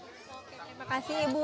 terima kasih ibu